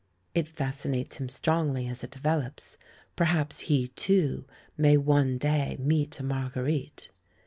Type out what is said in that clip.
It fascinates him strongly as it develops; perhaps he, too, may one day meet a Marguerite?